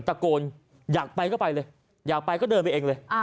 ตะโกนอยากไปก็ไปเลยอยากไปก็เดินไปเองเลย